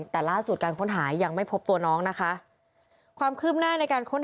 แต่ล่าสุดการค้นหายยังไม่พบตัวน้องนะคะ